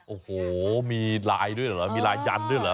โอ้โหมีลายด้วยเหรอมีลายยันด้วยเหรอ